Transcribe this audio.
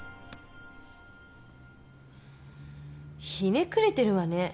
ひねくれてるわね。